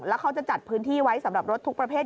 แล้วเขาจะจัดพื้นที่ไว้สำหรับรถทุกประเภท